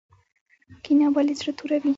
کینه ولې زړه توروي؟